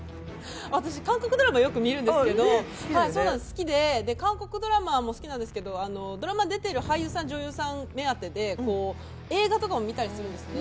私、韓国ドラマ、よく見るんですけど、韓国ドラマも好きなんですけどドラマに出ている俳優さん、女優さん目当てで映画とかも見たりするんですね。